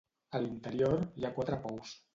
A l'interior hi ha quatre pous.